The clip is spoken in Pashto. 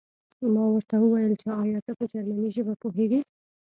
ما ورته وویل چې ایا ته په جرمني ژبه پوهېږې